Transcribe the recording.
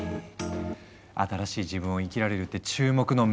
新しい自分を生きられるって注目のメタバース。